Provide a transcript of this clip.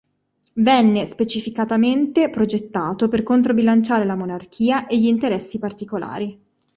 Venne specificatamente progettato per controbilanciare la monarchia e gli interessi particolari.